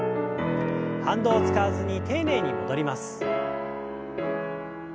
反動を使わずに丁寧に戻ります。